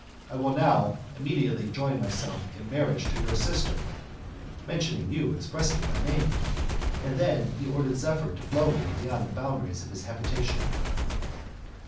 I. will now immediately join myself in marriage to your sister (mentioning you expressly by name), and then he ordered Zephyr to blow me beyond the boundaries of his habitation."